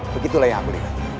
begitulah yang aku lihat